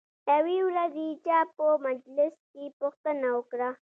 یوې ورځې چا په مجلس کې پوښتنه وکړه.